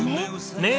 ねえ。